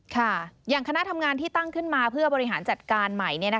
อย่างคณะทำงานที่ตั้งขึ้นมาเพื่อบริหารจัดการใหม่